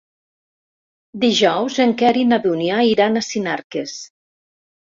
Dijous en Quer i na Dúnia iran a Sinarques.